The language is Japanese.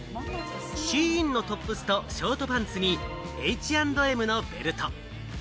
シーインのトップスとショートパンツにＨ＆Ｍのベルト。